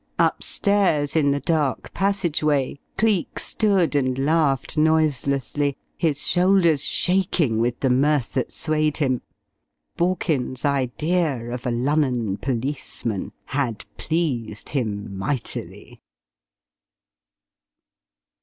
Upstairs in the dark passageway, Cleek stood and laughed noiselessly, his shoulders shaking with the mirth that swayed him. Borkins's idea of a 'Lunnon policeman' had pleased him mightily.